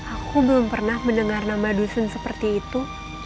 aku belum pernah mendengar nama dusun seperti itu